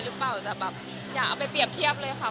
อยากเอาไปเปรียบเคียบเลยค่ะ